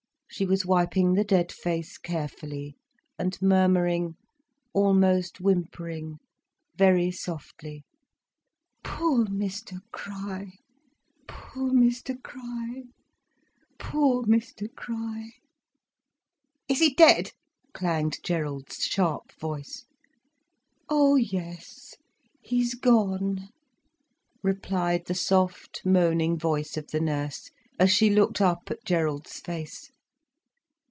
She was wiping the dead face carefully, and murmuring, almost whimpering, very softly: "Poor Mr Crich!—Poor Mr Crich! Poor Mr Crich!" "Is he dead?" clanged Gerald's sharp voice. "Oh yes, he's gone," replied the soft, moaning voice of the nurse, as she looked up at Gerald's face.